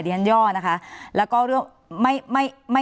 เรียนดี้อร์นะคะแล้วก็เรื่องไม่ไม่ไม่ให้